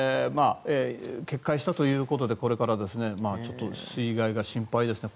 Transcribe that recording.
決壊したということでこれからちょっと水害が心配ですね。